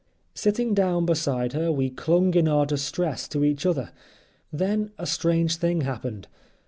Sitting down beside her we clung in our distress to each other. Then a strange thing happened.